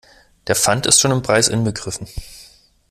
Der Pfand ist schon im Preis inbegriffen.